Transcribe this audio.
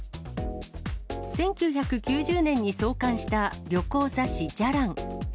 １９９０年に創刊した旅行雑誌、じゃらん。